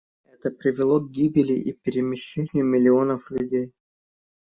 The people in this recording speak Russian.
Это привело к гибели и перемещению миллионов людей.